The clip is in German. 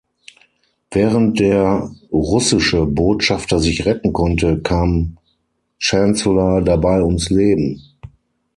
Während der russische Botschafter sich retten konnte, kam Chancellor dabei ums Leben.